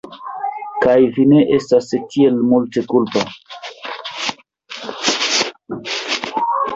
kaj vi ne estas tiel multe kulpa.